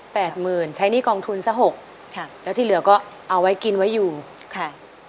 หมื่นใช้หนี้กองทุนซะหกค่ะแล้วที่เหลือก็เอาไว้กินไว้อยู่ค่ะ